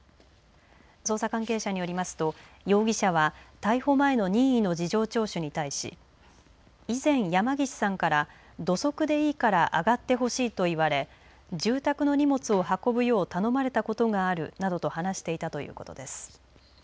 捜査関係者によりますと容疑者は逮捕前の任意の事情聴取に対し以前山岸さんから土足でいいから上がってほしいと言われ住宅の荷物を運ぶよう頼まれたことがあるなどと話していたということです。